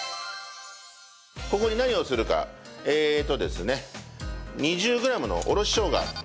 ここに何をするかえーっとですね２０グラムのおろししょうが。